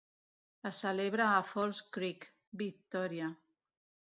Es celebra a Falls Creek, Victòria.